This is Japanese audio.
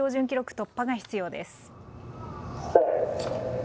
突破が必要です。